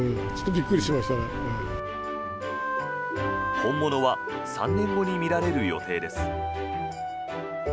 本物は３年後に見られる予定です。